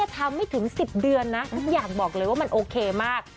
ทำไม่ถึง๑๐เดือนนะทุกอย่างบอกเลยว่ามันโอเคมาก